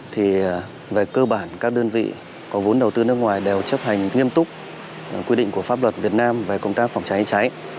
thì về cơ bản các đơn vị có vốn đầu tư nước ngoài đều chấp hành nghiêm túc quy định của pháp luật việt nam về công tác phòng cháy cháy